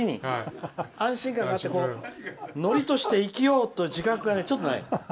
安心感があってのりとして生きようという自覚がちょっとないの。